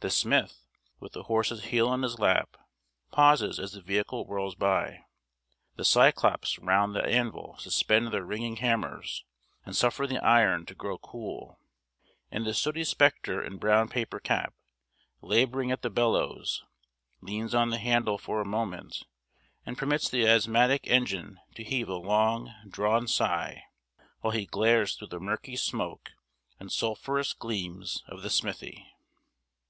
The smith, with the horse's heel in his lap, pauses as the vehicle whirls by; the Cyclops round the anvil suspend their ringing hammers, and suffer the iron to grow cool; and the sooty spectre in brown paper cap, labouring at the bellows, leans on the handle for a moment, and permits the asthmatic engine to heave a long drawn sigh, while he glares through the murky smoke and sulphureous gleams of the smithy.